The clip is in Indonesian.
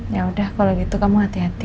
yaudah kalau gitu kamu hati hati